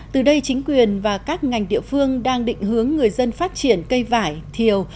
từ đây chính quyền và các ngành địa phương đang định hướng người dân phát triển cây vải thiều